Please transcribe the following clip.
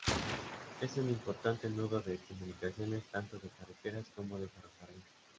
Es un importante nudo de comunicaciones, tanto de carreteras como de ferrocarril.